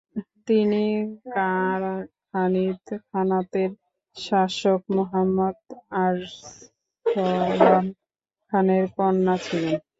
তিনি কারা-খানিদ খানাতের শাসক মুহাম্মদ আরসলান খানের কন্যা ছিলেন।